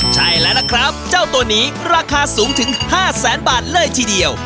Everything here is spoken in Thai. ใช่แล้วล่ะครับเจ้าตัวนี้ราคาสูงถึง๕แสนบาทเลยทีเดียว